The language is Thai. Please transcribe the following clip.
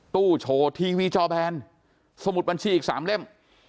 ตู้โชว์ทีวีจอแบนสมุดบัญชีอีก๓เล่ม